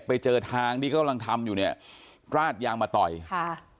ไปเจอทางที่เขากำลังทำอยู่เนี่ยราดยางมาต่อยค่ะ